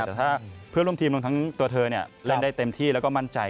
แต่ถ้าเพื่อนร่วมทีมรวมทั้งตัวเธอเล่นได้เต็มที่แล้วก็มั่นใจ